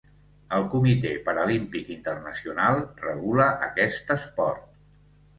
El Comitè Paralímpic Internacional regula aquest esport.